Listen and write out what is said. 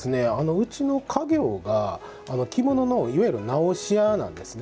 うちの家業が着物のいわゆる直し屋なんですね。